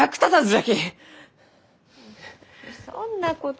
そんなこと。